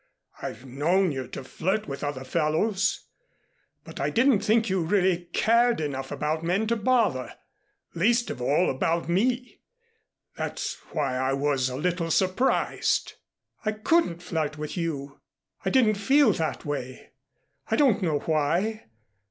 "I've known you to flirt with other fellows, but I didn't think you really cared enough about men to bother, least of all about me. That's why I was a little surprised " "I couldn't flirt with you I didn't feel that way. I don't know why.